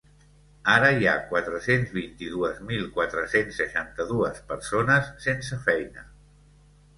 Ara hi ha quatre-centes vint-i-dues mil quatre-cents seixanta-dues persones sense feina.